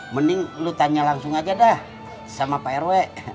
mending lu tanya langsung aja dah sama pak rw